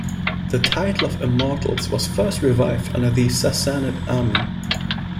The title of "Immortals" was first revived under the Sassanid army.